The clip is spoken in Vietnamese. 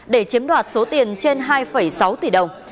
để chiếm đoạt số tiền trên hai sáu tỷ đồng